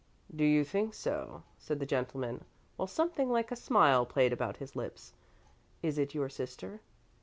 "Do you think so?" said the gentleman, while something like a smile played about his lips. "Is it your sister?"